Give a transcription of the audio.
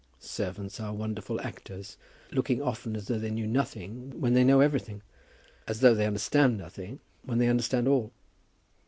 Servants are wonderful actors, looking often as though they knew nothing when they know everything, as though they understood nothing, when they understand all.